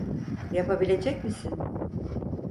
Yapabilecek misin?